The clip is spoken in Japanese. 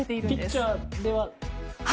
ピッチャーではなく？